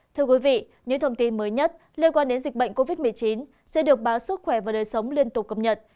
thưa quý vị những thông tin mới nhất liên quan đến dịch bệnh covid một mươi chín sẽ được báo sức khỏe và đời sống liên tục cập nhật